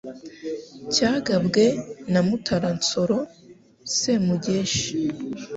cyagabwe na Mutara Nsoro Semugeshi